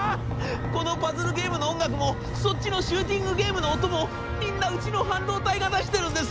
このパズルゲームの音楽もそっちのシューティングゲームの音もみんなうちの半導体が出してるんです！